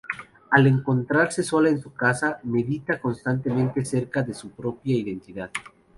Al encontrarse sola en su casa medita constantemente acerca de su propia identidad.